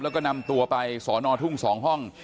แล้วก็นำตัวไปสอนอทุ่ง๒ห้อง